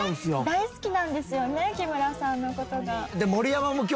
大好きなんですよね木村さんの事が。